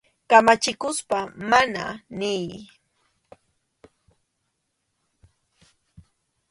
Kamachikuspa «mana» niy.